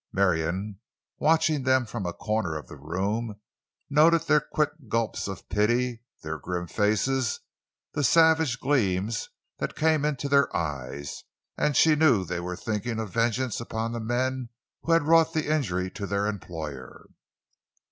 Marion, watching them from a corner of the room, noted their quick gulps of pity, their grim faces, the savage gleams that came into their eyes, and she knew they were thinking of vengeance upon the men who had wrought the injury to their employer.